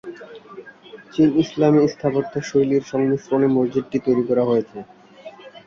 চীন-ইসলামী স্থাপত্য শৈলীর সংমিশ্রণে মসজিদটি তৈরি করা হয়েছে।